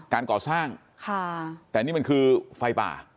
การก่อสร้างค่ะแต่นี่มันคือไฟป่า